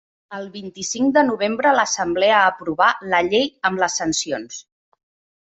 El vint-i-cinc de novembre l'assemblea aprovà la llei amb les sancions.